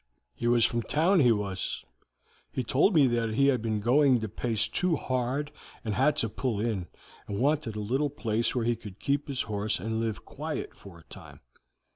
He was from town, he was; he told me that he had been going the pace too hard, and had to pull in, and wanted a little place where he could keep his horse and live quiet for a time.